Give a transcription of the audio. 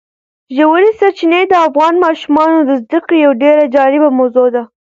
ژورې سرچینې د افغان ماشومانو د زده کړې یوه ډېره جالبه موضوع ده.